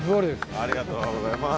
ありがとうございます。